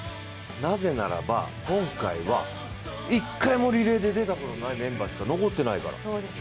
なぜならば、今回は一回もリレーに出ていないメンバーしか残ってないから。